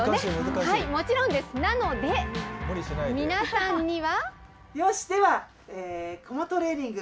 もちろんです、なので皆さんには。